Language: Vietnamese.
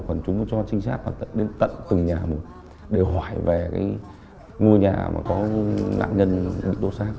còn chúng tôi cho trinh sát đến tận từng nhà một để hỏi về cái ngôi nhà mà có nạn nhân bị đốt xác